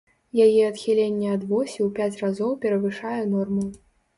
Яе адхіленне ад восі ў пяць разоў перавышае норму.